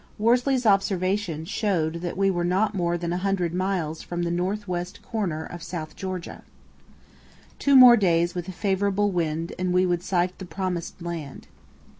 Worsley's observation showed that we were not more than a hundred miles from the north west corner of South Georgia. Two more days with a favourable wind and we would sight the promised land.